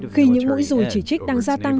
khi những mũi rùi chỉ trích đang gia tăng